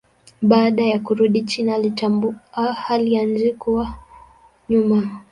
Baada ya kurudi China alitambua hali ya nchi kuwa nyuma.